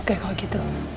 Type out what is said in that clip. oke kalau begitu